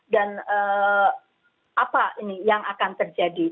dan apa ini yang akan terjadi